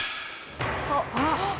あっ。